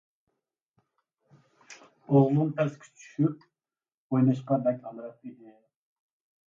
ئوغلۇممۇ پەسكە چۈشۈپ ئويناشقا بەك ئامراق ئىدى.